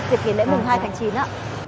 dịch nhiệm lễ mùng hai tháng chín á